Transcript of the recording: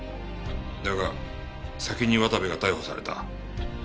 だが先に渡部が逮捕された。